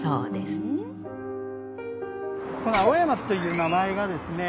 この青山っていう名前がですね